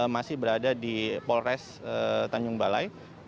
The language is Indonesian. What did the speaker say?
masih berada di polres tanjung balai